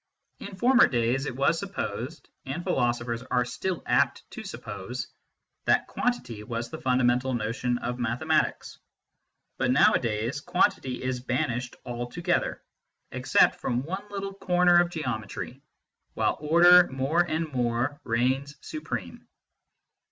In former days, it was supposed (and philosophers are still apt to suppose) that quantity was the fundamental notion of mathematics. But nowadays, quantity is banished altogether, except from one little corner of Geometry, while order more and more reigns supreme.